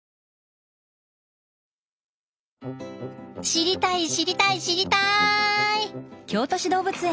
知りたい知りたい知りたい！